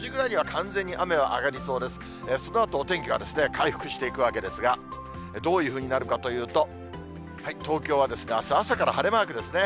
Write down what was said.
そのあとお天気は回復していくわけですが、どういうふうになるかというと、東京はですが、あす朝から晴れマークですね。